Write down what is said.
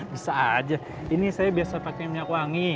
bisa aja ini saya biasa pakai minyak wangi